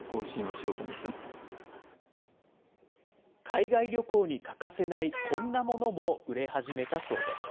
海外旅行に欠かせないこんなものも売れ始めたそうです。